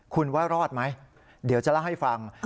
คุณว่ารอดไหมเดี๋ยวจะเล่าให้ฟัง